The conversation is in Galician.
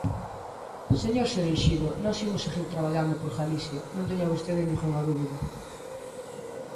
Señor Cereixido, nós imos seguir traballando por Galicia, non teña vostede ningunha dúbida.